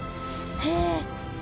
へえ！